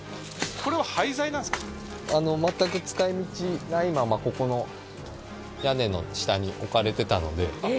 全く使い道ないままここの屋根の下に置かれてたので。